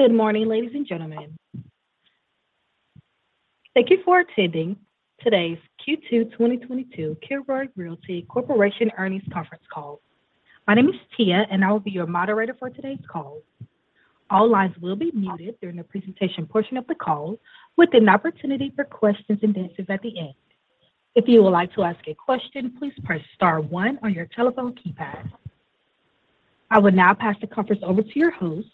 Good morning, ladies and gentlemen. Thank you for attending today's Q2 2022 Kilroy Realty Corporation Earnings Conference Call. My name is Tia, and I will be your moderator for today's call. All lines will be muted during the presentation portion of the call, with an opportunity for questions and answers at the end. If you would like to ask a question, please press star one on your telephone keypad. I will now pass the conference over to your host,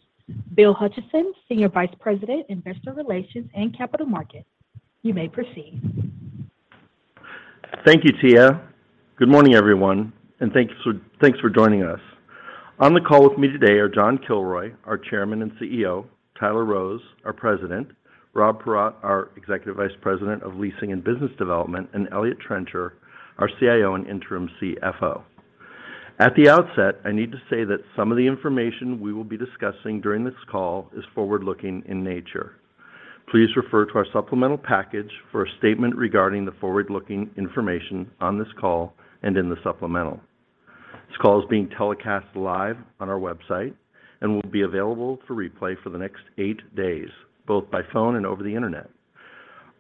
Bill Hutcheson, Senior Vice President, Investor Relations and Capital Markets. You may proceed. Thank you, Tia. Good morning, everyone, and thanks for joining us. On the call with me today are John Kilroy, our Chairman and CEO, Tyler Rose, our President, Rob Paratte, our Executive Vice President of Leasing and Business Development, and Eliott Trencher, our CIO and Interim CFO. At the outset, I need to say that some of the information we will be discussing during this call is forward-looking in nature. Please refer to our supplemental package for a statement regarding the forward-looking information on this call and in the supplemental. This call is being telecast live on our website and will be available for replay for the next eight days, both by phone and over the internet.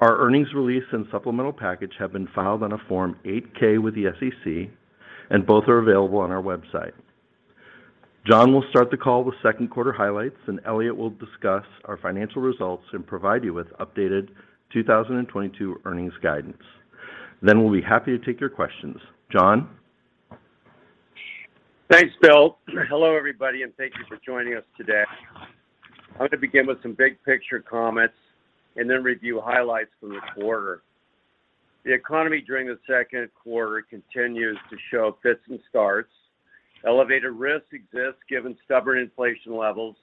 Our earnings release and supplemental package have been filed on a Form 8-K with the SEC, and both are available on our website. John will start the call with Q2 highlights, and Eliott will discuss our financial results and provide you with updated 2022 earnings guidance. We'll be happy to take your questions. John? Thanks, Bill. Hello, everybody, and thank you for joining us today. I'm going to begin with some big picture comments and then review highlights from the quarter. The economy during the Q2 continues to show fits and starts. Elevated risks exist given stubborn inflation levels,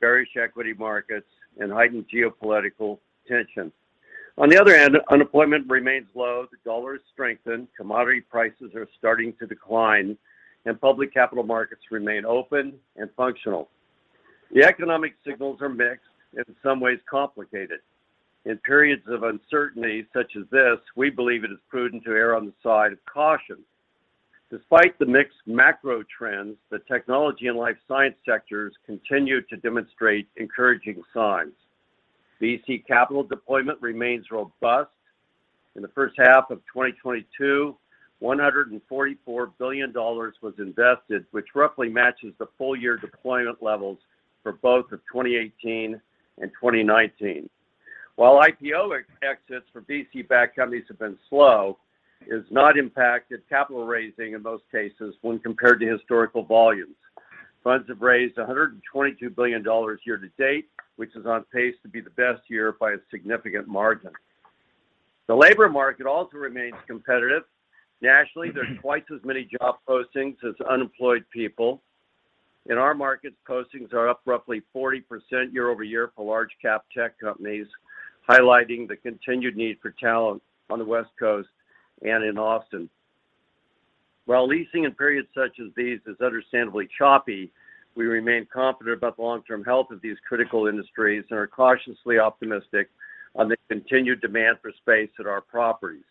bearish equity markets, and heightened geopolitical tension. On the other hand, unemployment remains low, the dollar has strengthened, commodity prices are starting to decline, and public capital markets remain open and functional. The economic signals are mixed and in some ways complicated. In periods of uncertainty such as this, we believe it is prudent to err on the side of caution. Despite the mixed macro trends, the technology and life science sectors continue to demonstrate encouraging signs. VC capital deployment remains robust. In the H1 of 2022, $144 billion was invested, which roughly matches the full year deployment levels for both of 2018 and 2019. While IPO exits for VC-backed companies have been slow, it has not impacted capital raising in most cases when compared to historical volumes. Funds have raised $122 billion year to date, which is on pace to be the best year by a significant margin. The labor market also remains competitive. Nationally, there's twice as many job postings as unemployed people. In our markets, postings are up roughly 40% year-over-year for large cap tech companies, highlighting the continued need for talent on the West Coast and in Austin. While leasing in periods such as these is understandably choppy, we remain confident about the long-term health of these critical industries and are cautiously optimistic on the continued demand for space at our properties.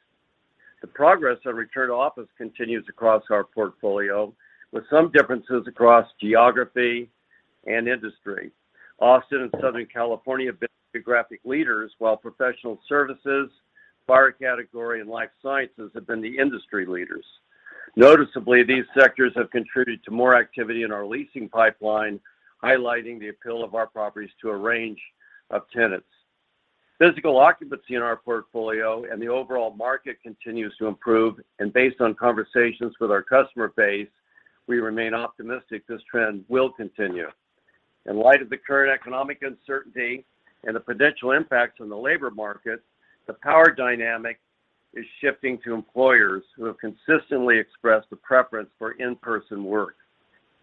The progress on return to office continues across our portfolio with some differences across geography and industry. Austin and Southern California have been the geographic leaders while professional services, FIRE category, and life sciences have been the industry leaders. Noticeably, these sectors have contributed to more activity in our leasing pipeline, highlighting the appeal of our properties to a range of tenants. Physical occupancy in our portfolio and the overall market continues to improve, and based on conversations with our customer base, we remain optimistic this trend will continue. In light of the current economic uncertainty and the potential impacts on the labor market, the power dynamic is shifting to employers who have consistently expressed a preference for in-person work.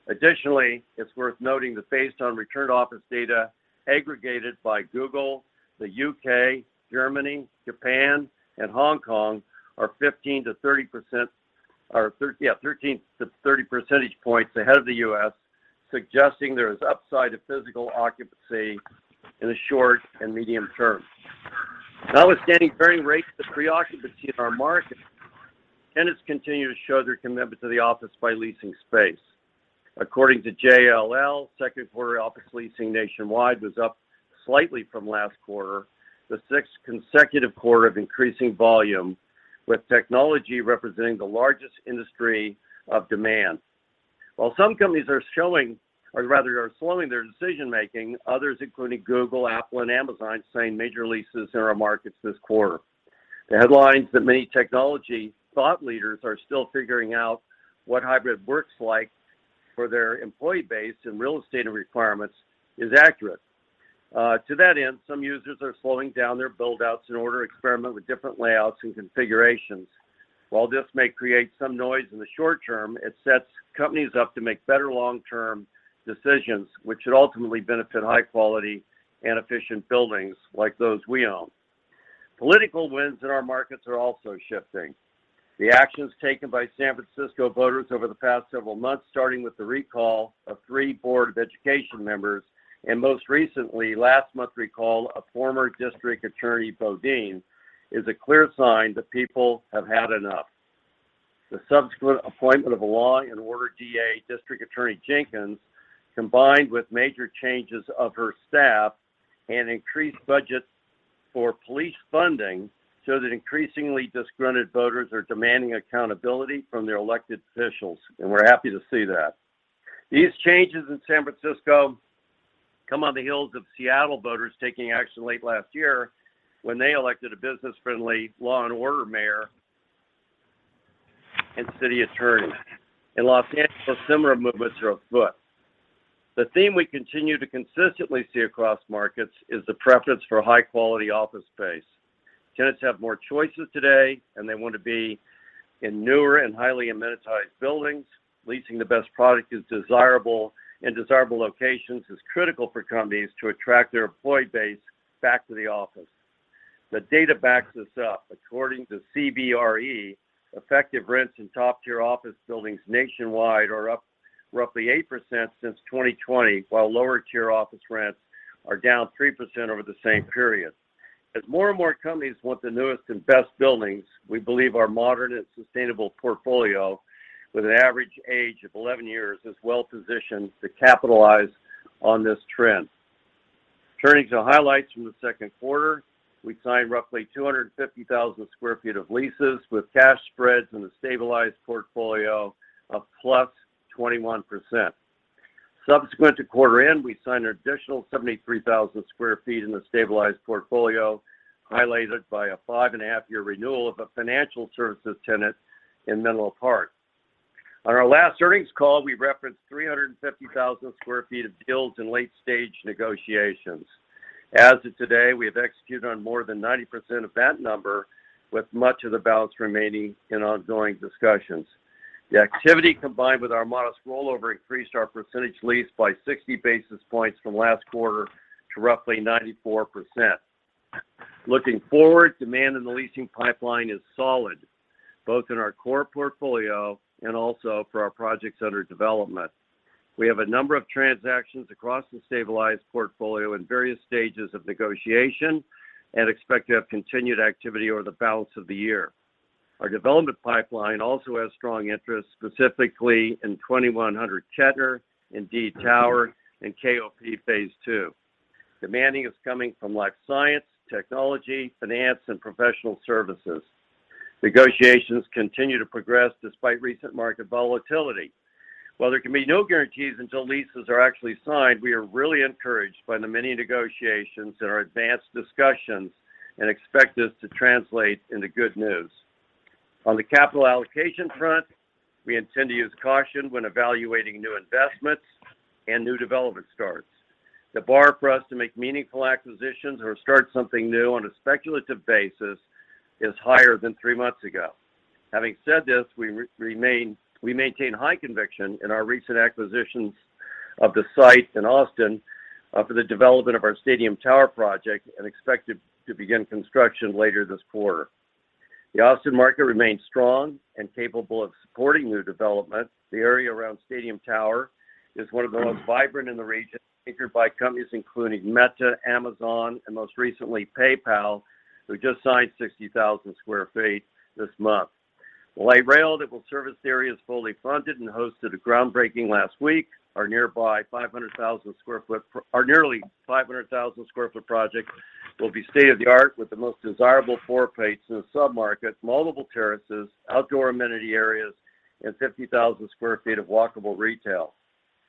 Additionally, it's worth noting that based on return to office data aggregated by Google, the U.K., Germany, Japan, and Hong Kong are 13-30 percentage points ahead of the U.S., suggesting there is upside to physical occupancy in the short and medium term. Notwithstanding varying rates of pre-occupancy in our market, tenants continue to show their commitment to the office by leasing space. According to JLL, Q2 office leasing nationwide was up slightly from last quarter, the sixth consecutive quarter of increasing volume, with technology representing the largest industry of demand. While some companies are showing or rather are slowing their decision making, others, including Google, Apple, and Amazon, signed major leases in our markets this quarter. The headlines that many technology thought leaders are still figuring out what hybrid works like for their employee base and real estate requirements is accurate. To that end, some users are slowing down their build outs in order to experiment with different layouts and configurations. While this may create some noise in the short term, it sets companies up to make better long-term decisions, which should ultimately benefit high quality and efficient buildings like those we own. Political winds in our markets are also shifting. The actions taken by San Francisco voters over the past several months, starting with the recall of three board of education members, and most recently last month's recall of former District Attorney Boudin, is a clear sign that people have had enough. The subsequent appointment of a law and order DA, District Attorney Jenkins, combined with major changes of her staff and increased budgets for police funding, so that increasingly disgruntled voters are demanding accountability from their elected officials. We're happy to see that. These changes in San Francisco come on the heels of Seattle voters taking action late last year when they elected a business-friendly law and order mayor and city attorney. In Los Angeles, similar movements are afoot. The theme we continue to consistently see across markets is the preference for high quality office space. Tenants have more choices today, and they want to be in newer and highly amenitized buildings. Leasing the best product is desirable, and desirable locations is critical for companies to attract their employee base back to the office. The data backs us up. According to CBRE, effective rents in top tier office buildings nationwide are up roughly 8% since 2020, while lower tier office rents are down 3% over the same period. As more and more companies want the newest and best buildings, we believe our modern and sustainable portfolio with an average age of 11 years is well positioned to capitalize on this trend. Turning to highlights from the Q2, we signed roughly 250,000 sq ft of leases with cash spreads in the stabilized portfolio of plus 21%. Subsequent to quarter end, we signed an additional 73,000 sq ft in the stabilized portfolio, highlighted by a 5.5-year renewal of a financial services tenant in Menlo Park. On our last earnings call, we referenced 350,000 sq ft of deals in late-stage negotiations. As of today, we have executed on more than 90% of that number, with much of the balance remaining in ongoing discussions. The activity combined with our modest rollover increased our percent leased by 60 basis points from last quarter to roughly 94%. Looking forward, demand in the leasing pipeline is solid, both in our core portfolio and also for our projects under development. We have a number of transactions across the stabilized portfolio in various stages of negotiation and expect to have continued activity over the balance of the year. Our development pipeline also has strong interest, specifically in 2100 Kettner and Indeed Tower and Kilroy Oyster Point Phase II. Demand is coming from life science, technology, finance, and professional services. Negotiations continue to progress despite recent market volatility. While there can be no guarantees until leases are actually signed, we are really encouraged by the many negotiations that are in advanced discussions and expect this to translate into good news. On the capital allocation front, we intend to use caution when evaluating new investments and new development starts. The bar for us to make meaningful acquisitions or start something new on a speculative basis is higher than three months ago. Having said this, we maintain high conviction in our recent acquisitions of the site in Austin for the development of our Indeed Tower project and expect it to begin construction later this quarter. The Austin market remains strong and capable of supporting new development. The area around Indeed Tower is one of the most vibrant in the region, anchored by companies including Meta, Amazon, and most recently PayPal, who just signed 60,000 sq ft this month. The light rail that will service the area is fully funded and hosted a groundbreaking last week. Our nearby nearly 500,000 sq ft project will be state of the art with the most desirable floor plates in the submarket, multiple terraces, outdoor amenity areas, and 50,000 sq ft of walkable retail.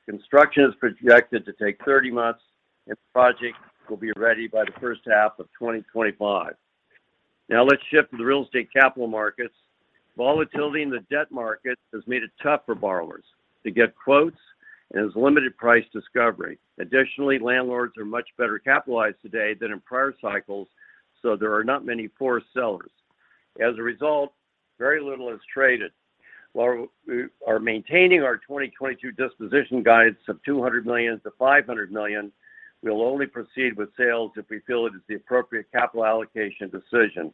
Construction is projected to take 30 months and the project will be ready by the H1 of 2025. Now let's shift to the real estate capital markets. Volatility in the debt market has made it tough for borrowers to get quotes and has limited price discovery. Additionally, landlords are much better capitalized today than in prior cycles, so there are not many poor sellers. As a result, very little is traded. While we are maintaining our 2022 disposition guidance of $200 million-$500 million, we'll only proceed with sales if we feel it is the appropriate capital allocation decision.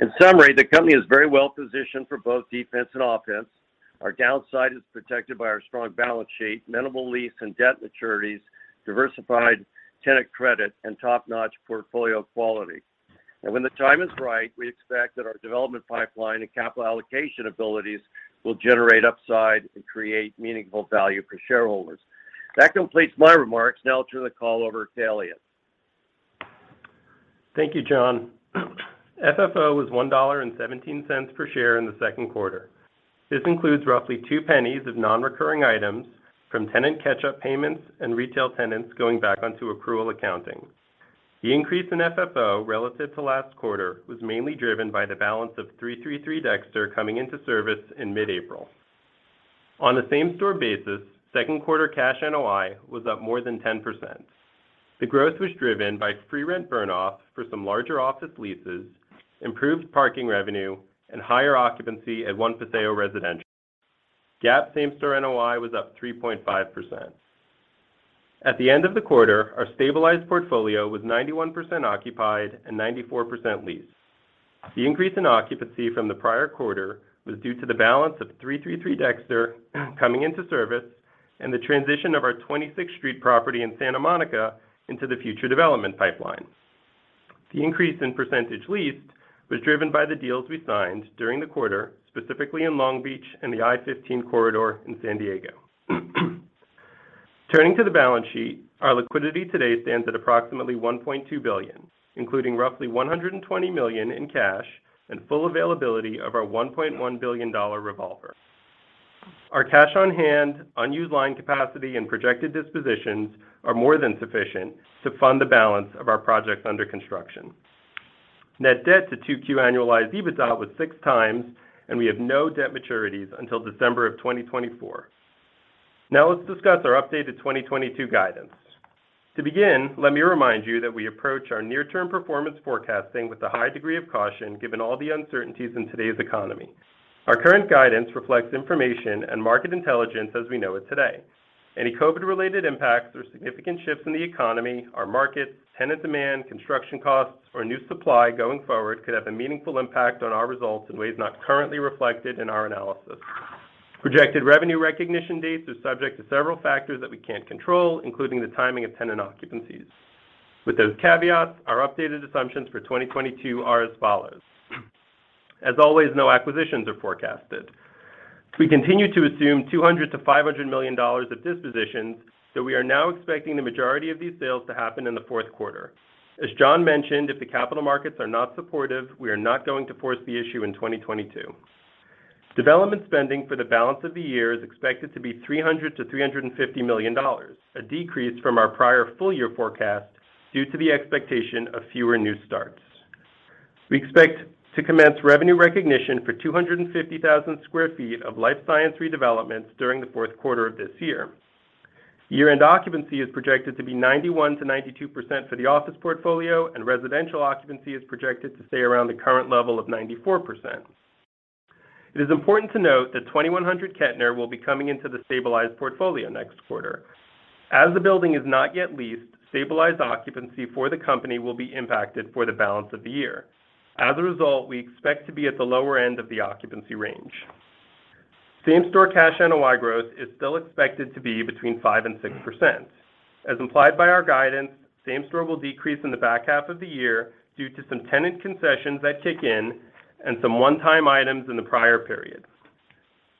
In summary, the company is very well positioned for both defense and offense. Our downside is protected by our strong balance sheet, minimal lease and debt maturities, diversified tenant credit, and top-notch portfolio quality. When the time is right, we expect that our development pipeline and capital allocation abilities will generate upside and create meaningful value for shareholders. That completes my remarks. Now I'll turn the call over to Eliott. Thank you, John. FFO was $1.17 per share in the Q2. This includes roughly two pennies of non-recurring items from tenant catch-up payments and retail tenants going back onto accrual accounting. The increase in FFO relative to last quarter was mainly driven by the balance of 333 Dexter coming into service in mid-April. On a same-store basis, Q2 cash NOI was up more than 10%. The growth was driven by free rent burn-off for some larger office leases, improved parking revenue, and higher occupancy at One Paseo Residential. GAAP same-store NOI was up 3.5%. At the end of the quarter, our stabilized portfolio was 91% occupied and 94% leased. The increase in occupancy from the prior quarter was due to the balance of 333 Dexter coming into service and the transition of our 26th Street property in Santa Monica into the future development pipeline. The increase in percentage leased was driven by the deals we signed during the quarter, specifically in Long Beach and the I-15 corridor in San Diego. Turning to the balance sheet, our liquidity today stands at approximately $1.2 billion, including roughly $120 million in cash and full availability of our $1.1 billion revolver. Our cash on hand, unused line capacity, and projected dispositions are more than sufficient to fund the balance of our projects under construction. Net debt to 2Q annualized EBITDA was 6x, and we have no debt maturities until December of 2024. Now let's discuss our updated 2022 guidance. To begin, let me remind you that we approach our near-term performance forecasting with a high degree of caution, given all the uncertainties in today's economy. Our current guidance reflects information and market intelligence as we know it today. Any COVID-related impacts or significant shifts in the economy, our markets, tenant demand, construction costs, or new supply going forward could have a meaningful impact on our results in ways not currently reflected in our analysis. Projected revenue recognition dates are subject to several factors that we can't control, including the timing of tenant occupancies. With those caveats, our updated assumptions for 2022 are as follows. As always, no acquisitions are forecasted. We continue to assume $200 million-500 million of dispositions, though we are now expecting the majority of these sales to happen in the Q4. As John mentioned, if the capital markets are not supportive, we are not going to force the issue in 2022. Development spending for the balance of the year is expected to be $300 million-350 million, a decrease from our prior full year forecast due to the expectation of fewer new starts. We expect to commence revenue recognition for 250,000 sq ft of life science redevelopments during the Q4 of this year. Year-end occupancy is projected to be 91%-92% for the office portfolio, and residential occupancy is projected to stay around the current level of 94%. It is important to note that 2100 Kettner will be coming into the stabilized portfolio next quarter. As the building is not yet leased, stabilized occupancy for the company will be impacted for the balance of the year. As a result, we expect to be at the lower end of the occupancy range. Same-store cash NOI growth is still expected to be between 5% and 6%. As implied by our guidance, same-store will decrease in the back half of the year due to some tenant concessions that kick in and some one-time items in the prior period.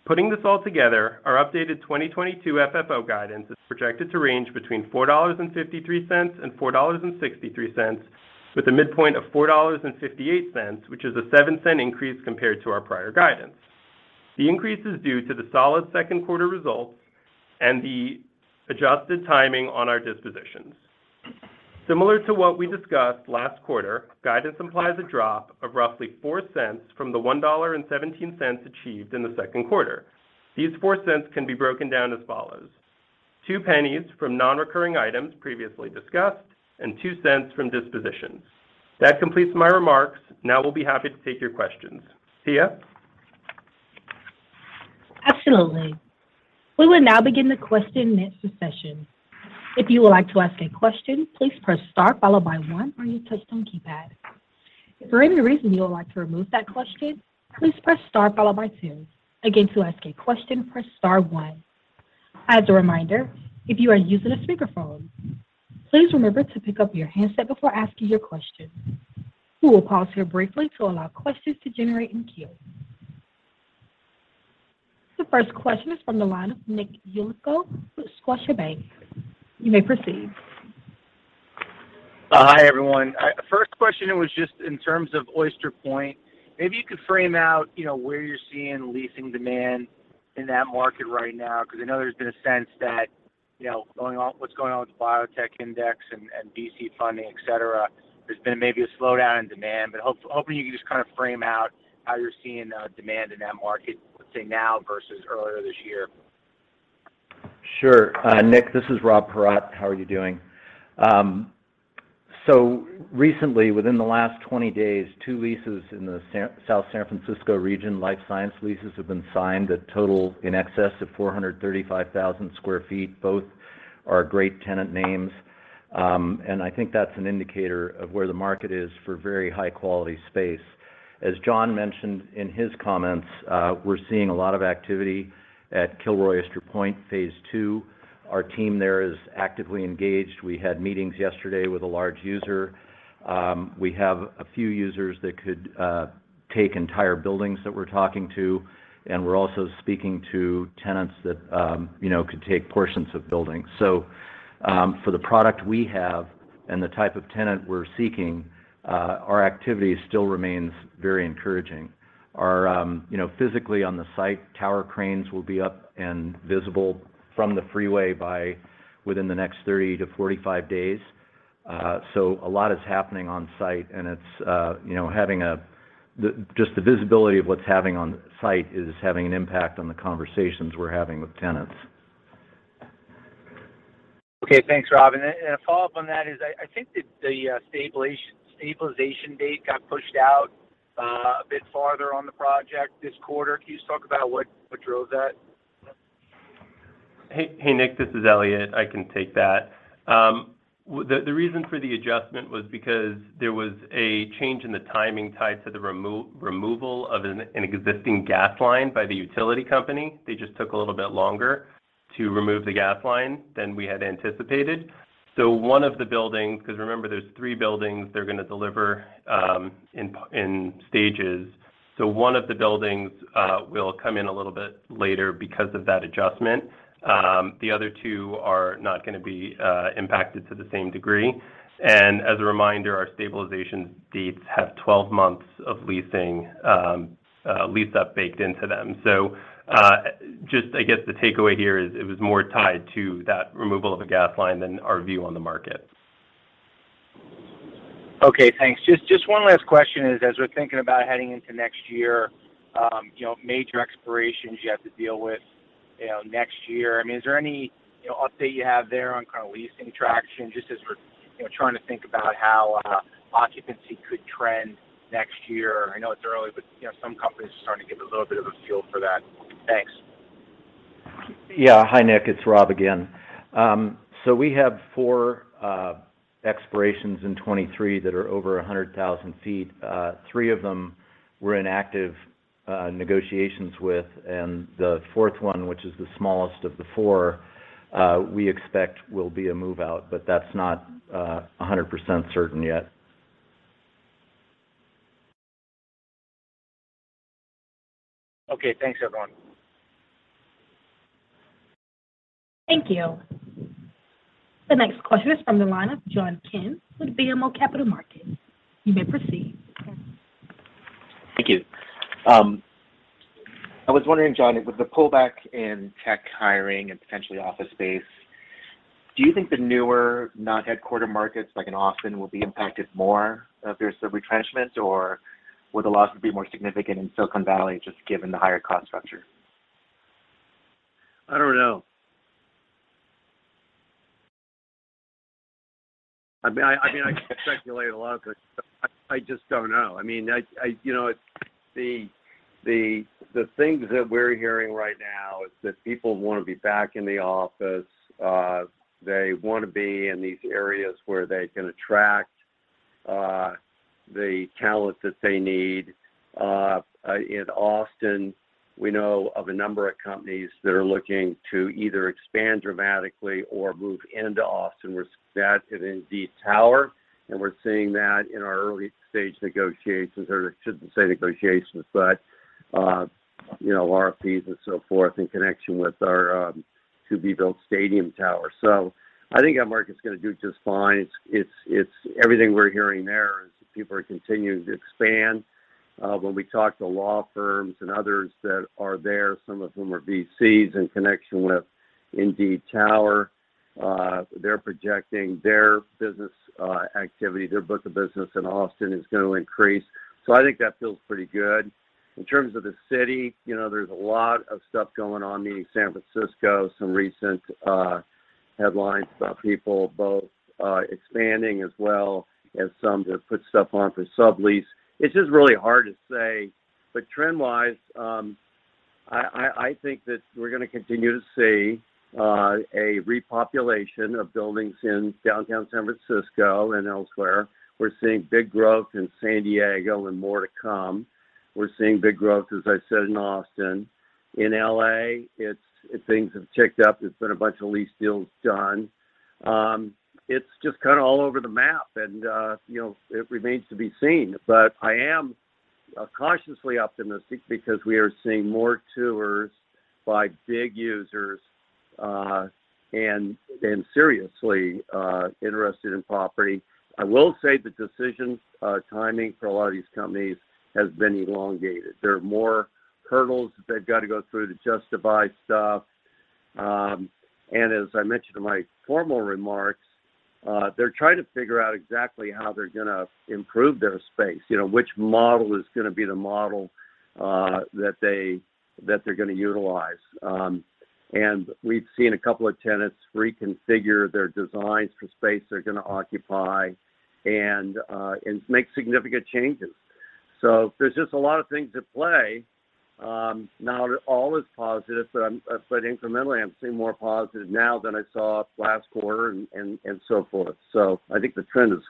Putting this all together, our updated 2022 FFO guidance is projected to range between $4.53 and $4.63 with a midpoint of $4.58, which is a 7-cent increase compared to our prior guidance. The increase is due to the solid Q2 results and the adjusted timing on our dispositions. Similar to what we discussed last quarter, guidance implies a drop of roughly $0.04 from the $1.17 achieved in the Q2. These $0.04 can be broken down as follows. $0.02 from non-recurring items previously discussed and $0.02 from dispositions. That completes my remarks. Now we'll be happy to take your questions. Tia? Absolutely. We will now begin the question and answer session. If you would like to ask a question, please press star followed by one on your touchtone keypad. If for any reason you would like to remove that question, please press star followed by two. Again, to ask a question, press star one. As a reminder, if you are using a speakerphone, please remember to pick up your handset before asking your question. We will pause here briefly to allow questions to generate in queue. The first question is from the line of Nicholas Yulico with Scotiabank. You may proceed. Hi, everyone. First question was just in terms of Oyster Point, maybe you could frame out, you know, where you're seeing leasing demand in that market right now, because I know there's been a sense that, you know, what's going on with the biotech index and VC funding, et cetera. There's been maybe a slowdown in demand, but hoping you can just kind of frame out how you're seeing demand in that market, let's say now versus earlier this year. Sure. Nick, this is Rob Paratte. How are you doing? Recently, within the last 20 days, two leases in the South San Francisco region, life science leases, have been signed at total in excess of 435,000 sq ft. Both are great tenant names. I think that's an indicator of where the market is for very high quality space. As John mentioned in his comments, we're seeing a lot of activity at Kilroy Oyster Point Phase II. Our team there is actively engaged. We had meetings yesterday with a large user. We have a few users that could take entire buildings that we're talking to, and we're also speaking to tenants that, you know, could take portions of buildings. For the product we have and the type of tenant we're seeking, our activity still remains very encouraging. We're physically on the site, tower cranes will be up and visible from the freeway within the next 30-45 days. A lot is happening on site, and it's just the visibility of what's happening on site is having an impact on the conversations we're having with tenants. Okay. Thanks, Rob. A follow-up on that is I think that the stabilization date got pushed out a bit farther on the project this quarter. Can you just talk about what drove that? Hey, hey Nick, this is Eliott. I can take that. The reason for the adjustment was because there was a change in the timing tied to the removal of an existing gas line by the utility company. They just took a little bit longer to remove the gas line than we had anticipated. One of the buildings, because remember, there's three buildings they're going to deliver in stages. One of the buildings will come in a little bit later because of that adjustment. The other two are not going to be impacted to the same degree. As a reminder, our stabilization dates have 12 months of leasing, lease-up baked into them. Just, I guess, the takeaway here is it was more tied to that removal of a gas line than our view on the market. Okay, thanks. Just one last question is, as we're thinking about heading into next year, you know, major expirations you have to deal with, you know, next year. I mean, is there any, you know, update you have there on kind of leasing traction, just as we're, you know, trying to think about how, occupancy could trend next year? I know it's early, but, you know, some companies are starting to give a little bit of a feel for that. Thanks. Yeah. Hi, Nick. It's Rob again. We have four expirations in 2023 that are over 100,000 feet. Three of them we're in active negotiations with, and the fourth one, which is the smallest of the four, we expect will be a move out, but that's not 100% certain yet. Okay. Thanks, everyone. Thank you. The next question is from the line of John Kim with BMO Capital Markets. You may proceed. Thank you. I was wondering, John, with the pullback in tech hiring and potential office space, do you think the newer non-headquarter markets like in Austin will be impacted more if there's a retrenchment, or would the losses be more significant in Silicon Valley just given the higher cost structure? I don't know. I mean, I can speculate a lot, but I just don't know. I mean, you know, the things that we're hearing right now is that people want to be back in the office. They want to be in these areas where they can attract the talent that they need. In Austin, we know of a number of companies that are looking to either expand dramatically or move into Austin. We're seeing that in Indeed Tower, and we're seeing that in our early stage negotiations, or I shouldn't say negotiations, but you know, RFPs and so forth in connection with our to-be-built Stadium Tower. I think that market's going to do just fine. It's everything we're hearing there is people are continuing to expand. When we talk to law firms and others that are there, some of whom are VCs in connection with Indeed Tower, they're projecting their business activity, their book of business in Austin is going to increase. I think that feels pretty good. In terms of the city, you know, there's a lot of stuff going on, meaning San Francisco, some recent headlines about people both expanding as well as some that put stuff on for sublease. It's just really hard to say. Trend-wise, I think that we're going to continue to see a repopulation of buildings in downtown San Francisco and elsewhere. We're seeing big growth in San Diego and more to come. We're seeing big growth, as I said, in Austin. In L.A., it's things have ticked up. There's been a bunch of lease deals done. It's just kind of all over the map and, you know, it remains to be seen. I am cautiously optimistic because we are seeing more tours by big users and seriously interested in property. I will say the decision timing for a lot of these companies has been elongated. There are more hurdles that they've got to go through to justify stuff. As I mentioned in my formal remarks, they're trying to figure out exactly how they're gonna improve their space. You know, which model is gonna be the model that they're gonna utilize. We've seen a couple of tenants reconfigure their designs for space they're gonna occupy and make significant changes. There's just a lot of things at play. Not all is positive, but incrementally, I'm seeing more positive now than I saw last quarter and so forth. I think the trend is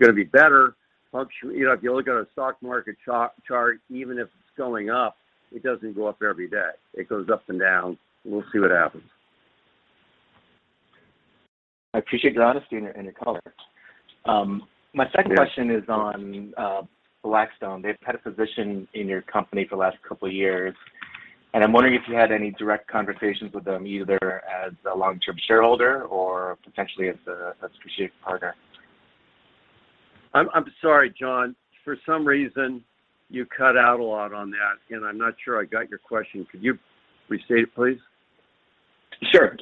gonna be better. You know, if you look at a stock market chart, even if it's going up, it doesn't go up every day. It goes up and down. We'll see what happens. I appreciate your honesty and your color. My second question is on Blackstone. They've had a position in your company for the last couple years, and I'm wondering if you had any direct conversations with them, either as a long-term shareholder or potentially as a strategic partner. I'm sorry, John. For some reason, you cut out a lot on that, and I'm not sure I got your question. Could you restate it, please? Sure.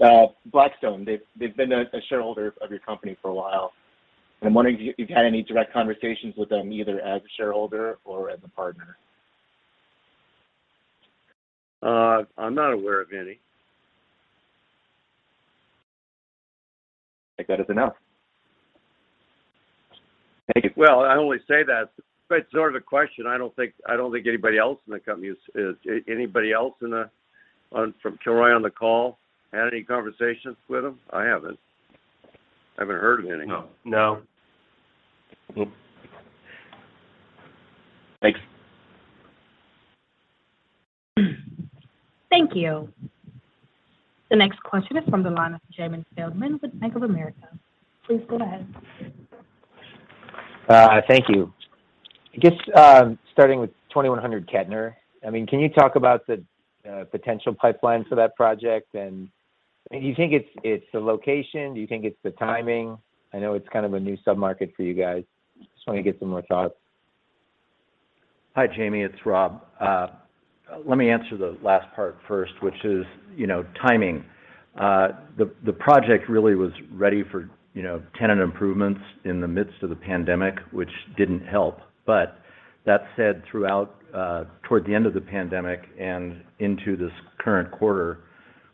Blackstone, they've been a shareholder of your company for a while, and I'm wondering if you've had any direct conversations with them, either as a shareholder or as a partner? I'm not aware of any. That is a no. Thank you. Well, I only say that. It's sort of the question. I don't think anybody else from Kilroy on the call had any conversations with them? I haven't. I haven't heard of any. No. No. Thanks. Thank you. The next question is from the line of Jamie Feldman with Bank of America. Please go ahead. Thank you. I guess, starting with 2100 Kettner, I mean, can you talk about the potential pipeline for that project? Do you think it's the location? Do you think it's the timing? I know it's kind of a new submarket for you guys. Just want to get some more thoughts. Hi, Jamie. It's Rob. Let me answer the last part first, which is, you know, timing. The project really was ready for, you know, tenant improvements in the midst of the pandemic, which didn't help. That said, throughout, toward the end of the pandemic and into this current quarter,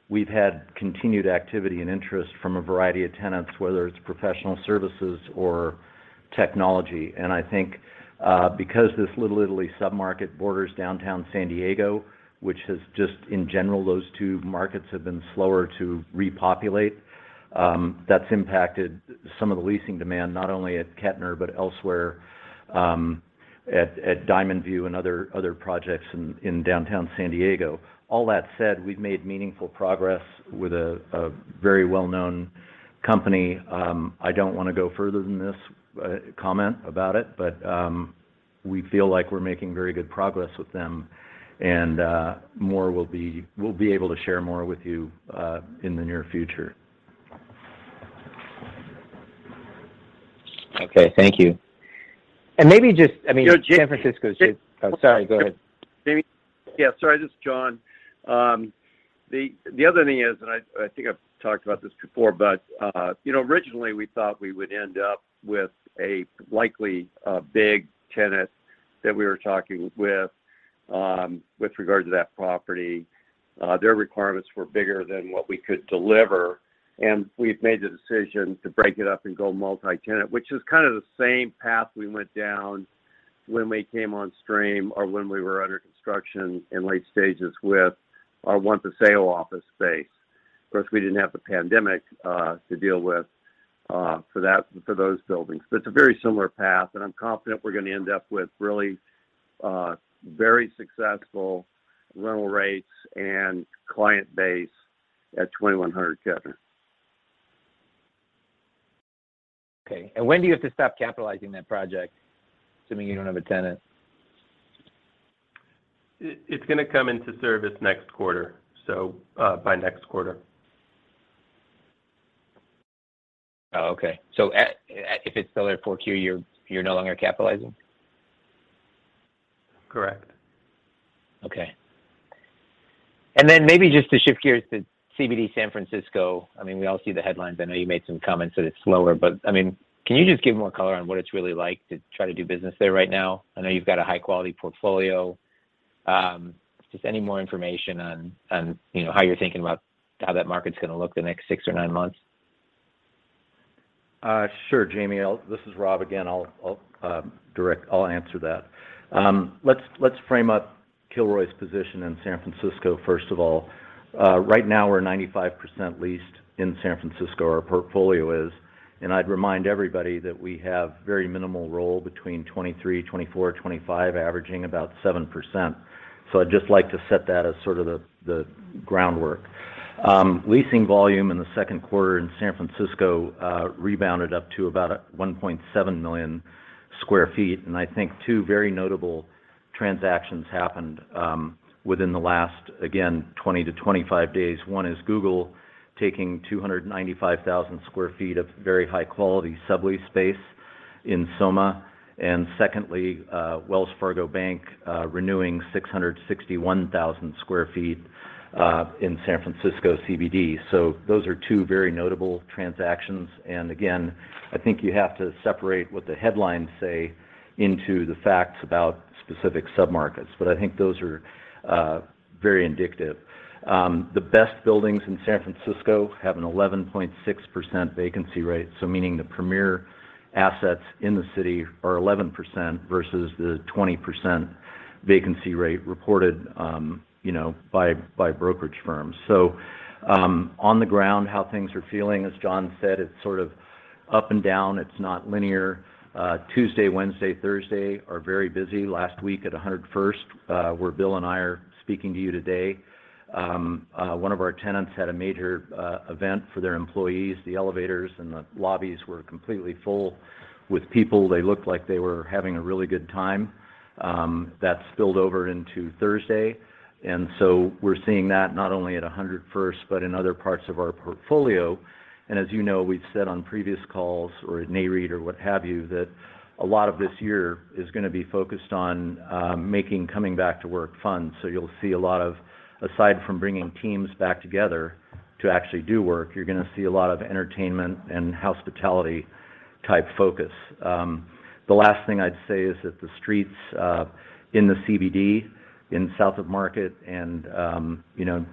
we've had continued activity and interest from a variety of tenants, whether it's professional services or technology. I think, because this Little Italy submarket borders downtown San Diego, which has just in general, those two markets have been slower to repopulate, that's impacted some of the leasing demand, not only at Kettner, but elsewhere, at Diamond View and other projects in downtown San Diego. All that said, we've made meaningful progress with a very well-known company. I don't want to go further than this comment about it, but we feel like we're making very good progress with them, and we'll be able to share more with you in the near future. Okay. Thank you. Maybe just, I mean. Oh, sorry. Go ahead. Jamie. Yeah, sorry. This is John. The other thing is, I think I've talked about this before, but you know, originally we thought we would end up with a likely big tenant that we were talking with with regard to that property. Their requirements were bigger than what we could deliver, and we've made the decision to break it up and go multi-tenant, which is kind of the same path we went down when we came on stream or when we were under construction in late stages with our One Paseo office space. Of course, we didn't have the pandemic to deal with for that, for those buildings. It's a very similar path, and I'm confident we're gonna end up with really very successful rental rates and client base at 2100 Kettner. Okay. When do you have to stop capitalizing that project, assuming you don't have a tenant? It's gonna come into service next quarter, so by next quarter. Oh, okay. If it's still there 4Q, you're no longer capitalizing? Correct. Okay. Maybe just to shift gears to CBD San Francisco. I mean, we all see the headlines. I know you made some comments that it's slower. I mean, can you just give more color on what it's really like to try to do business there right now? I know you've got a high quality portfolio. Just any more information on, you know, how you're thinking about how that market's gonna look the next six or nine months? Sure, Jamie. This is Rob again. I'll direct. I'll answer that. Let's frame up Kilroy's position in San Francisco, first of all. Right now we're 95% leased in San Francisco, our portfolio is, and I'd remind everybody that we have very minimal roll between 2023, 2024, 2025, averaging about 7%. I'd just like to set that as sort of the groundwork. Leasing volume in the Q2 in San Francisco rebounded up to about 1.7 million sq ft. I think two very notable transactions happened within the last, again, 20-25 days. One is Google taking 295,000 sq ft of very high quality sublease space in SoMa, and secondly, Wells Fargo Bank renewing 661,000 sq ft in San Francisco CBD. Those are two very notable transactions. Again, I think you have to separate what the headlines say into the facts about specific submarkets. I think those are very indicative. The best buildings in San Francisco have an 11.6% vacancy rate, so meaning the premier assets in the city are 11% versus the 20% vacancy rate reported, you know, by brokerage firms. On the ground, how things are feeling, as John said, it's sort of up and down. It's not linear. Tuesday, Wednesday, Thursday are very busy. Last week at 100 First, where Bill and I are speaking to you today, one of our tenants had a major event for their employees. The elevators and the lobbies were completely full with people. They looked like they were having a really good time. That spilled over into Thursday. We're seeing that not only at 100 First, but in other parts of our portfolio. As you know, we've said on previous calls or at NAREIT or what have you, that a lot of this year is gonna be focused on making coming back to work fun. You'll see a lot of, aside from bringing teams back together to actually do work, you're gonna see a lot of entertainment and hospitality type focus. The last thing I'd say is that the streets in the CBD in South of Market and, you know,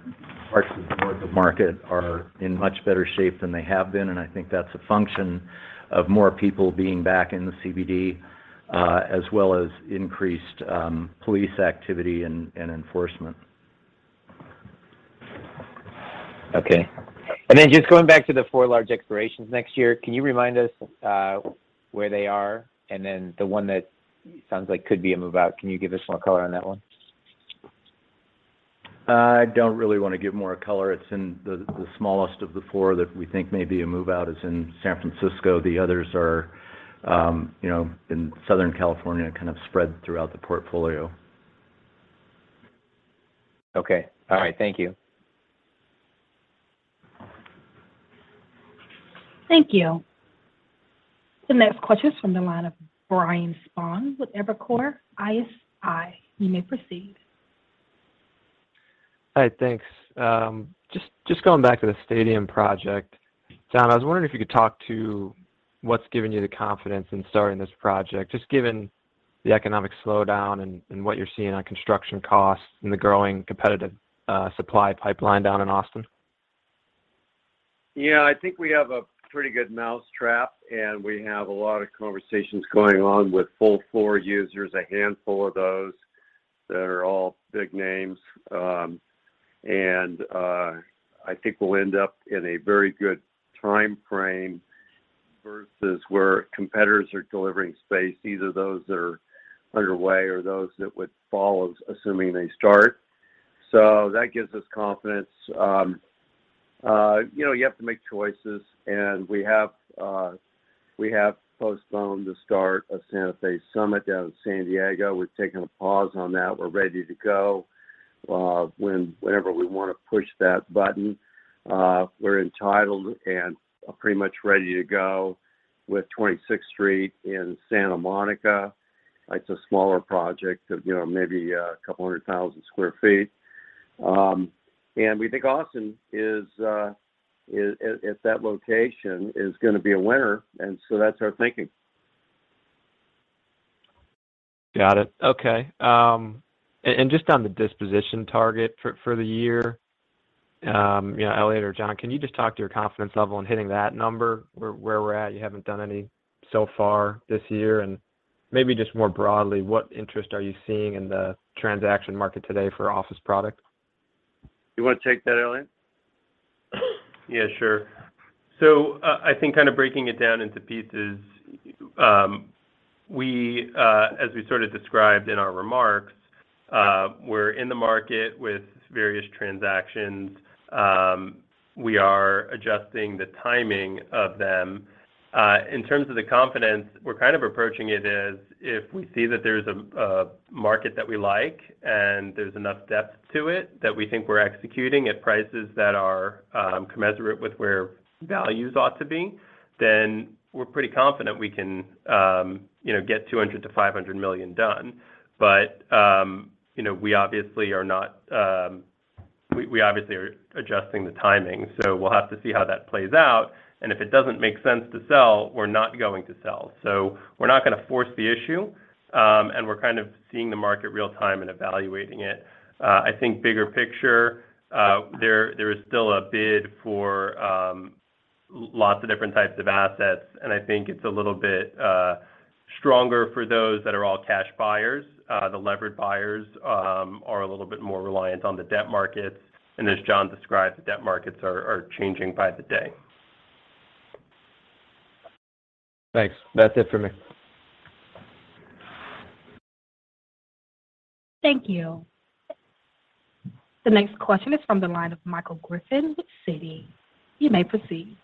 parts of North of Market are in much better shape than they have been, and I think that's a function of more people being back in the CBD, as well as increased police activity and enforcement. Okay. Just going back to the four large expirations next year, can you remind us where they are? The one that sounds like could be a move-out, can you give us more color on that one? I don't really wanna give more color. It's in the smallest of the four that we think may be a move-out. It's in San Francisco. The others are, you know, in Southern California, kind of spread throughout the portfolio. Okay. All right. Thank you. Thank you. The next question is from the line of Brian Spohn with Evercore ISI. You may proceed. Hi. Thanks. Just going back to the stadium project. John, I was wondering if you could talk to what's giving you the confidence in starting this project, just given the economic slowdown and what you're seeing on construction costs and the growing competitive supply pipeline down in Austin. Yeah. I think we have a pretty good mousetrap, and we have a lot of conversations going on with full floor users, a handful of those that are all big names. I think we'll end up in a very good timeframe versus where competitors are delivering space, either those that are underway or those that would follow, assuming they start. That gives us confidence. You know, you have to make choices, and we have postponed the start of Santa Fe Summit down in San Diego. We've taken a pause on that. We're ready to go, whenever we wanna push that button. We're entitled and pretty much ready to go with 26 Street in Santa Monica. It's a smaller project of, you know, maybe a couple hundred thousand sq ft. We think Austin is... At that location is gonna be a winner. That's our thinking. Got it. Okay. Just on the disposition target for the year, you know, Eliott or John, can you just talk to your confidence level in hitting that number, where we're at? You haven't done any so far this year. Maybe just more broadly, what interest are you seeing in the transaction market today for office product? You wanna take that, Eliott? Yeah, sure. I think kind of breaking it down into pieces, as we sort of described in our remarks, we're in the market with various transactions. We are adjusting the timing of them. In terms of the confidence, we're kind of approaching it as if we see that there's a market that we like and there's enough depth to it that we think we're executing at prices that are commensurate with where values ought to be, then we're pretty confident we can, you know, get $200 million-$500 million done. You know, we obviously are adjusting the timing, so we'll have to see how that plays out. If it doesn't make sense to sell, we're not going to sell. We're not gonna force the issue, and we're kind of seeing the market real time and evaluating it. I think bigger picture, there is still a bid for lots of different types of assets, and I think it's a little bit stronger for those that are all cash buyers. The levered buyers are a little bit more reliant on the debt markets, and as John described, the debt markets are changing by the day. Thanks. That's it for me. Thank you. The next question is from the line of Michael Griffin with Citi. You may proceed.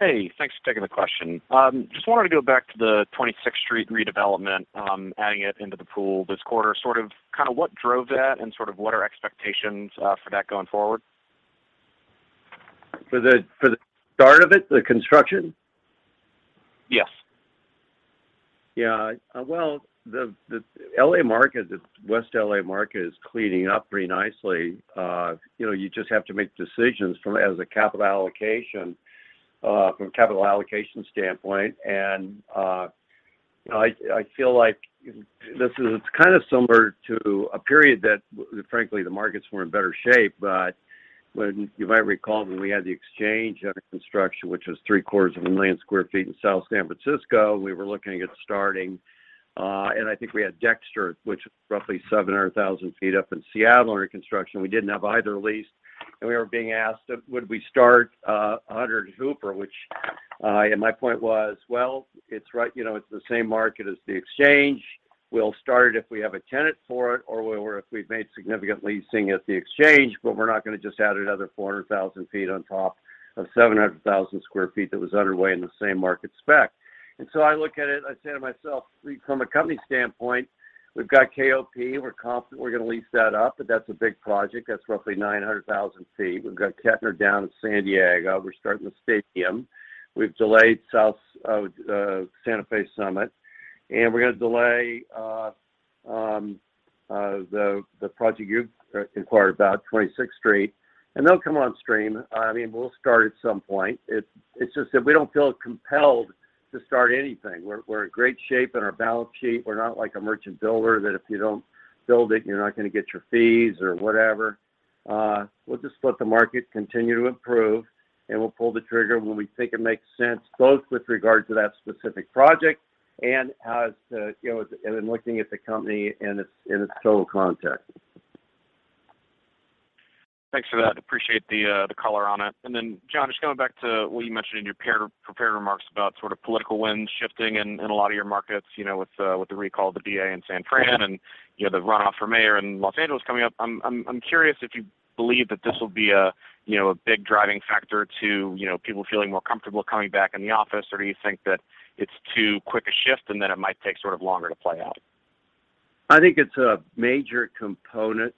Hey. Thanks for taking the question. Just wanted to go back to the 26th Street redevelopment, adding it into the pool this quarter. Sort of kind of what drove that and sort of what are expectations for that going forward? For the start of it, the construction? Yes. Yeah. Well, the L.A. market, the West L.A. market is cleaning up pretty nicely. You know, you just have to make decisions from a capital allocation standpoint. You know, I feel like this is kind of similar to a period that, frankly, the markets were in better shape. You might recall when we had The Exchange under construction, which was three-quarters of a million square feet in South San Francisco. We were looking at starting, and I think we had Dexter, which is roughly 700,000 sq ft up in Seattle, under construction. We didn't have either leased. We were being asked, would we start 100 Hooper, which, and my point was, well, it's right you know, it's the same market as The Exchange. We'll start it if we have a tenant for it or if we've made significant leasing at The Exchange, but we're not gonna just add another 400,000 sq ft on top of 700,000 sq ft that was underway in the same market spec. I look at it, I say to myself, from a company standpoint, we've got KOP. We're confident we're gonna lease that up, but that's a big project. That's roughly 900,000 sq ft. We've got Kettner down in San Diego. We're starting the stadium. We've delayed South Santa Fe Summit, and we're gonna delay the project you've inquired about, 26th Street, and they'll come on stream. I mean, we'll start at some point. It's just that we don't feel compelled to start anything. We're in great shape in our balance sheet. We're not like a merchant builder that if you don't build it, you're not gonna get your fees or whatever. We'll just let the market continue to improve. We'll pull the trigger when we think it makes sense, both with regard to that specific project and, you know, and in looking at the company in its total context. Thanks for that. Appreciate the color on it. John, just going back to what you mentioned in your prepared remarks about sort of political winds shifting in a lot of your markets, you know, with the recall of the DA in San Fran and, you know, the runoff for mayor in Los Angeles coming up. I'm curious if you believe that this will be a big driving factor to people feeling more comfortable coming back in the office? Or do you think that it's too quick a shift, and then it might take sort of longer to play out? I think it's a major component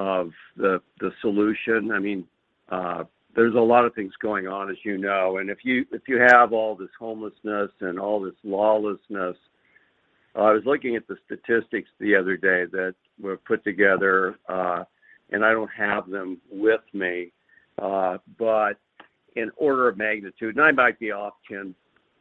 of the solution. I mean, there's a lot of things going on, as you know, and if you have all this homelessness and all this lawlessness. I was looking at the statistics the other day that were put together, and I don't have them with me, but in order of magnitude, and I might be off 10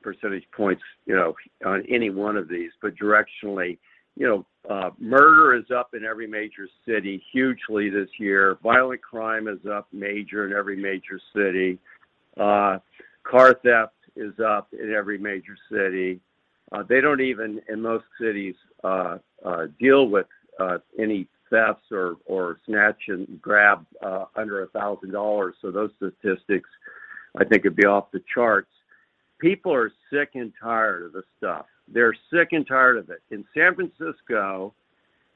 percentage points, you know, on any one of these. But directionally, you know, murder is up in every major city hugely this year. Violent crime is up major in every major city. Car theft is up in every major city. They don't even, in most cities, deal with any thefts or snatch and grab under $1,000. Those statistics, I think, would be off the charts. People are sick and tired of this stuff. They're sick and tired of it. In San Francisco,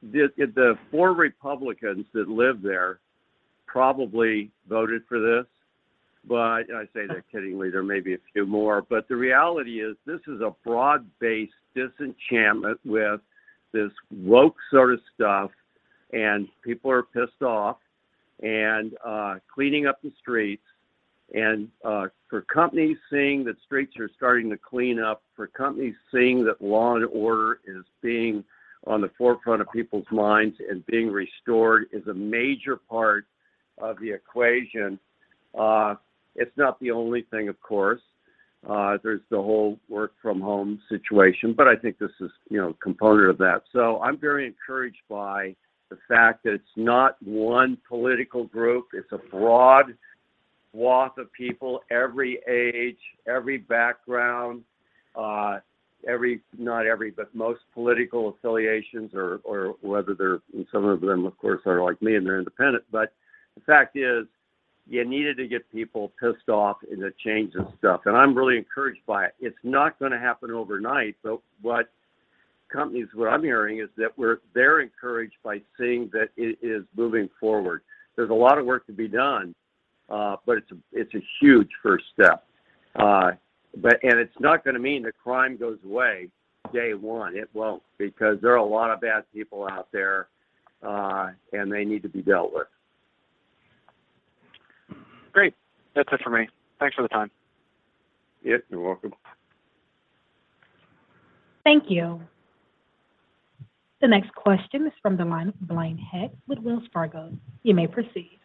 the four Republicans that live there probably voted for this. I say that kiddingly, there may be a few more. The reality is, this is a broad-based disenchantment with this woke sort of stuff, and people are pissed off and cleaning up the streets. For companies seeing that streets are starting to clean up, for companies seeing that law and order is being on the forefront of people's minds and being restored is a major part of the equation. It's not the only thing, of course. There's the whole work from home situation, but I think this is, you know, a component of that. I'm very encouraged by the fact that it's not one political group. It's a broad swath of people, every age, every background, not every, but most political affiliations or whether they're. Some of them, of course, are like me, and they're independent. The fact is, you needed to get people pissed off into changing stuff, and I'm really encouraged by it. It's not gonna happen overnight, but what I'm hearing is that they're encouraged by seeing that it is moving forward. There's a lot of work to be done, but it's a huge first step. It's not gonna mean that crime goes away day one. It won't, because there are a lot of bad people out there, and they need to be dealt with. Great. That's it for me. Thanks for the time. Yep, you're welcome. Thank you. The next question is from the line of Blaine Heck with Wells Fargo. You may proceed.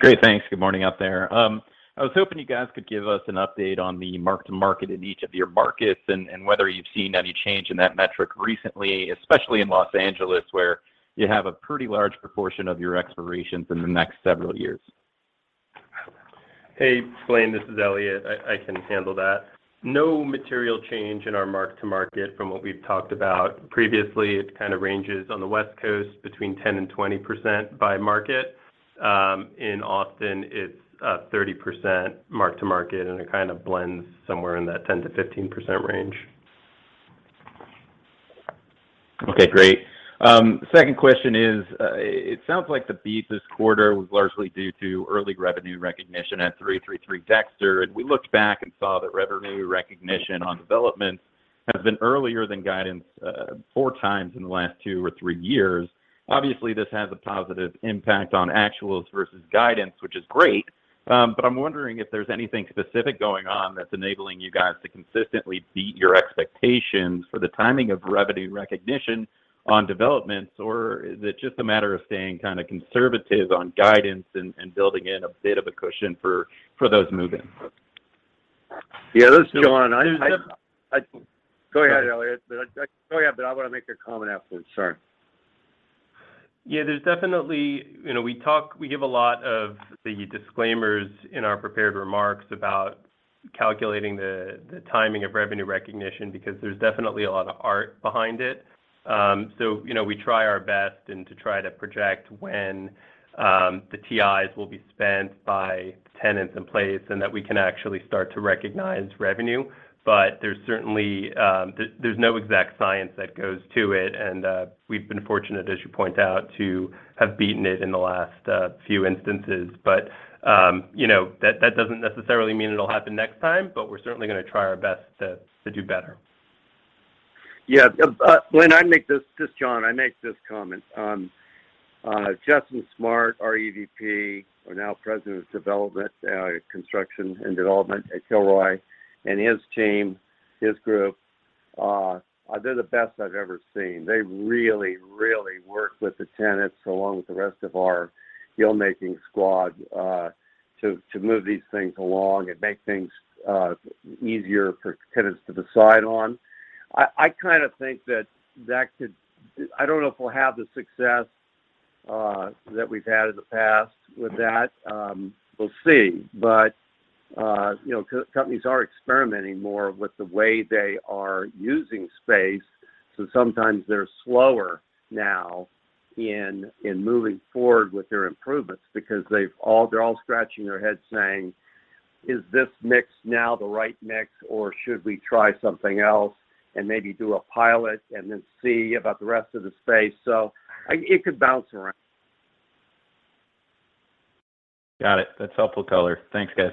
Great. Thanks. Good morning out there. I was hoping you guys could give us an update on the mark-to-market in each of your markets and whether you've seen any change in that metric recently, especially in Los Angeles, where you have a pretty large proportion of your expirations in the next several years. Hey, Blaine, this is Eliott. I can handle that. No material change in our mark-to-market from what we've talked about previously. It kind of ranges on the West Coast between 10%-20% by market. In Austin, it's 30% mark-to-market, and it kind of blends somewhere in that 10%-15% range. Okay, great. Second question is, it sounds like the beat this quarter was largely due to early revenue recognition at 333 Dexter. We looked back and saw that revenue recognition on developments has been earlier than guidance, four times in the last two or three years. Obviously, this has a positive impact on actuals versus guidance, which is great. But I'm wondering if there's anything specific going on that's enabling you guys to consistently beat your expectations for the timing of revenue recognition on developments, or is it just a matter of staying kind of conservative on guidance and building in a bit of a cushion for those move-ins? Yeah, this is John. I There's a- Go ahead, Eliott. Go ahead, but I want to make a comment afterward. Sorry. Yeah, there's definitely you know, we talk, we give a lot of the disclaimers in our prepared remarks about calculating the timing of revenue recognition because there's definitely a lot of art behind it. So, you know, we try our best to project when the TIs will be spent by tenants in place and that we can actually start to recognize revenue. There's certainly no exact science that goes to it, and we've been fortunate, as you point out, to have beaten it in the last few instances. You know, that doesn't necessarily mean it'll happen next time, but we're certainly gonna try our best to do better. Yeah, Blaine, this is John. I make this comment. Justin Smart, our EVP or now President of Development, Construction and Development at Kilroy, and his team, his group, they're the best I've ever seen. They really, really work with the tenants along with the rest of our deal-making squad to move these things along and make things easier for tenants to decide on. I kind of think that could. I don't know if we'll have the success that we've had in the past with that. We'll see. You know, companies are experimenting more with the way they are using space, so sometimes they're slower now in moving forward with their improvements because they're all scratching their heads saying, "Is this mix now the right mix, or should we try something else and maybe do a pilot and then see about the rest of the space?" It could bounce around. Got it. That's helpful color. Thanks, guys.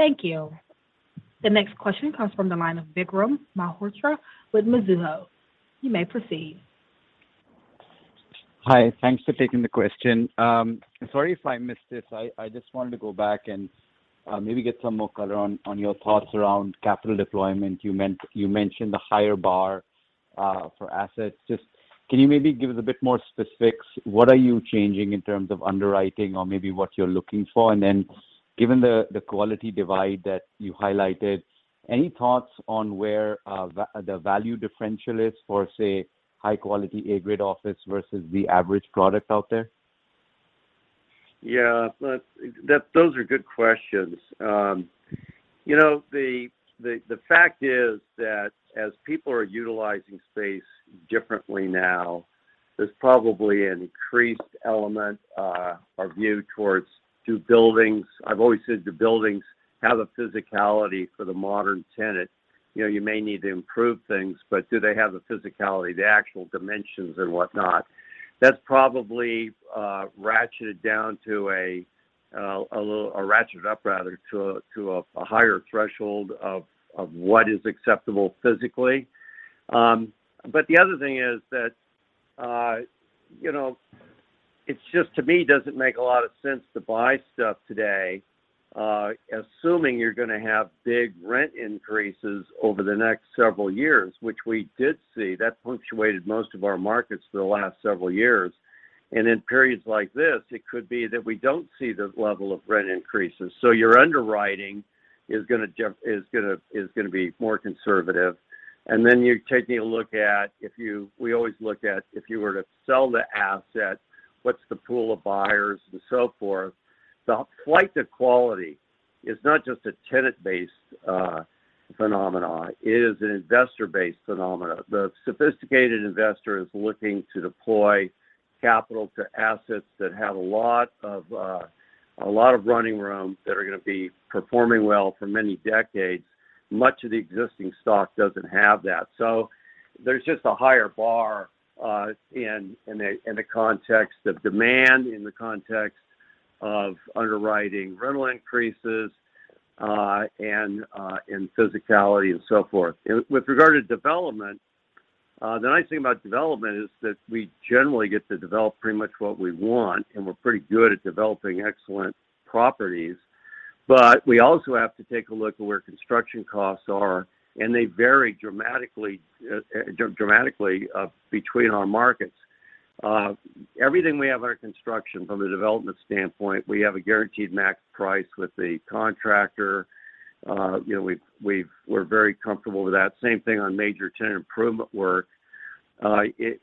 Thank you. The next question comes from the line of Vikram Malhotra with Mizuho. You may proceed. Hi. Thanks for taking the question. Sorry if I missed this. I just wanted to go back and maybe get some more color on your thoughts around capital deployment. You mentioned the higher bar for assets. Just, can you maybe give us a bit more specifics? What are you changing in terms of underwriting or maybe what you're looking for? Given the quality divide that you highlighted, any thoughts on where the value differential is for, say, high quality A-grid office versus the average product out there? Yeah. Those are good questions. You know, the fact is that as people are utilizing space differently now, there's probably an increased element or view towards do buildings. I've always said, do buildings have the physicality for the modern tenant? You know, you may need to improve things, but do they have the physicality, the actual dimensions and whatnot? That's probably ratcheted up rather to a higher threshold of what is acceptable physically. But the other thing is that, you know, it's just to me doesn't make a lot of sense to buy stuff today, assuming you're gonna have big rent increases over the next several years, which we did see. That punctuated most of our markets for the last several years. In periods like this, it could be that we don't see the level of rent increases. Your underwriting is gonna be more conservative. We always look at if you were to sell the asset, what's the pool of buyers and so forth. The flight to quality is not just a tenant-based phenomena. It is an investor-based phenomena. The sophisticated investor is looking to deploy capital to assets that have a lot of running room, that are gonna be performing well for many decades. Much of the existing stock doesn't have that. There's just a higher bar in a context of demand, in the context of underwriting rental increases, and in physicality and so forth. With regard to development, the nice thing about development is that we generally get to develop pretty much what we want, and we're pretty good at developing excellent properties. We also have to take a look at where construction costs are, and they vary dramatically between our markets. Everything we have under construction from a development standpoint, we have a guaranteed max price with the contractor. You know, we've we're very comfortable with that. Same thing on major tenant improvement work.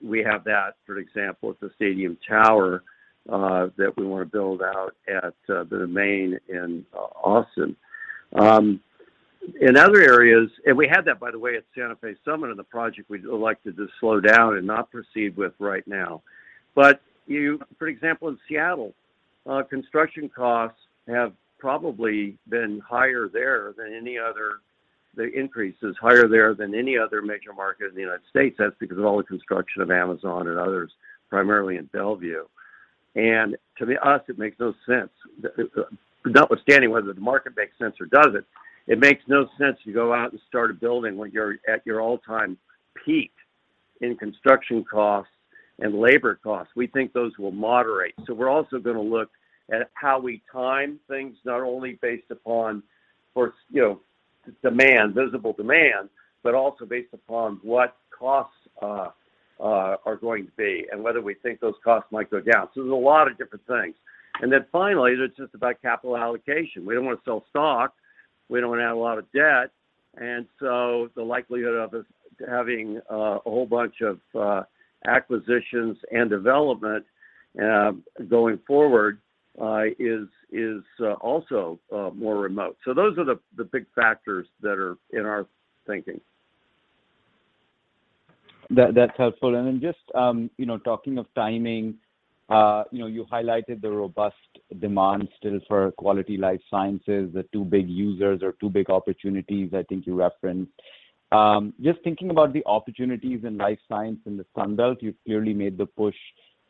We have that, for example, at the Indeed Tower that we wanna build out at The Domain in Austin. In other areas, we had that, by the way, at Santa Fe Summit in the project we'd elected to slow down and not proceed with right now. You, for example, in Seattle, construction costs have probably been higher there than any other. The increase is higher there than any other major market in the United States. That's because of all the construction of Amazon and others, primarily in Bellevue. To me, us, it makes no sense. Notwithstanding whether the market makes sense or doesn't, it makes no sense to go out and start a building when you're at your all-time peak in construction costs and labor costs. We think those will moderate. We're also gonna look at how we time things, not only based upon, you know, demand, visible demand, but also based upon what costs are going to be and whether we think those costs might go down. There's a lot of different things. Finally, it's just about capital allocation. We don't wanna sell stock, we don't wanna add a lot of debt, and so the likelihood of us having a whole bunch of acquisitions and development going forward is also more remote. Those are the big factors that are in our thinking. That's helpful. Then just talking of timing, you highlighted the robust demand still for quality life sciences, the two big users or two big opportunities I think you referenced. Just thinking about the opportunities in life science in the Sun Belt, you've clearly made the push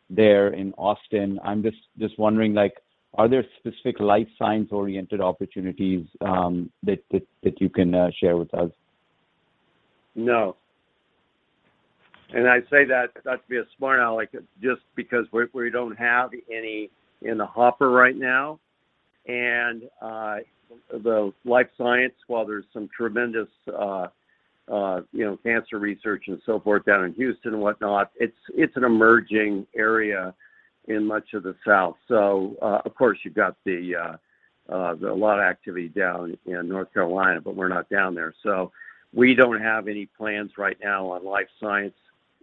there in Austin. I'm just wondering like, are there specific life science-oriented opportunities, that you can share with us? No. I say that not to be a smart aleck, it's just because we don't have any in the hopper right now. The life science, while there's some tremendous, you know, cancer research and so forth down in Houston and whatnot, it's an emerging area in much of the South. Of course you've got a lot of activity down in North Carolina, but we're not down there. We don't have any plans right now on life science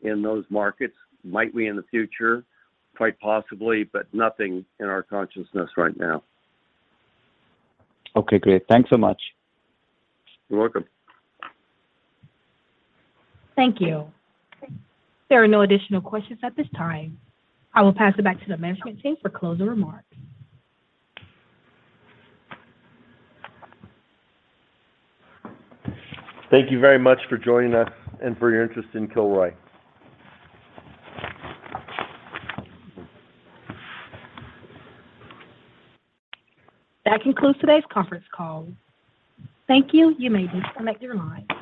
in those markets. Might we in the future? Quite possibly, but nothing in our consciousness right now. Okay, great. Thanks so much. You're welcome. Thank you. There are no additional questions at this time. I will pass it back to the management team for closing remarks. Thank you very much for joining us and for your interest in Kilroy. That concludes today's conference call. Thank you. You may disconnect your lines.